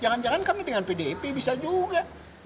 jangan jangan kan dengan pdp bisa juga